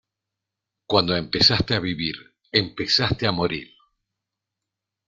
Cuando empezaste a vivir empezaste a morir.